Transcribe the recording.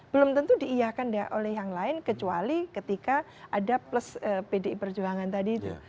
belum tentu diiyakan oleh yang lain kecuali ketika ada plus pdi perjuangan tadi itu